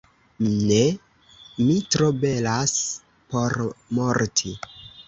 Ne! Mi tro belas por morti.